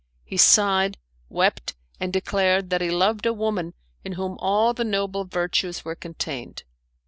He sighed, wept, and declared that he loved a woman in whom all the noble virtues were contained.